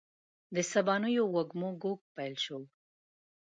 د سبانیو وږمو ږوږ پیل شو